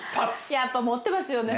やっぱ持ってますよね。